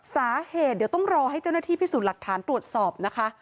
สาเหตุเดี๋ยวต้องรอให้เจ้าหน้าที่พิสูจน์หลักฐานตรวจสอบนะคะ